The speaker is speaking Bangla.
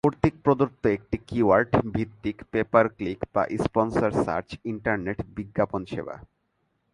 কর্তৃক প্রদত্ত একটি কিওয়ার্ড-ভিত্তিক "পে পার ক্লিক" বা "স্পনসর সার্চ" ইন্টারনেট বিজ্ঞাপন সেবা।